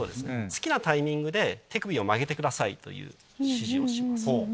好きなタイミングで手首を曲げてくださいという指示をします。